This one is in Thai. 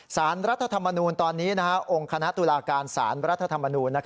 สารรัฐธรรมนูลตอนนี้องค์คณะตุลาการสารรัฐธรรมนูญ